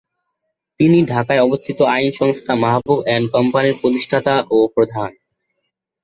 তিনি ঢাকায় অবস্থিত আইন সংস্থা 'মাহবুব অ্যান্ড কোম্পানির' প্রতিষ্ঠাতা ও প্রধান।